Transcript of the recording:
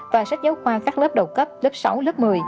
và sách giáo khoa các lớp đầu cấp lớp sáu lớp một mươi